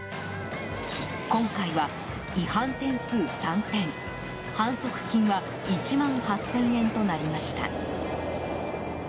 今回は、違反点数３点反則金は１万８０００円となりました。